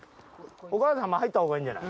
お母さんも入ったほうがいいんじゃない？